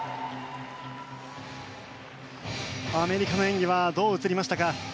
アメリカの演技はどう映りましたか。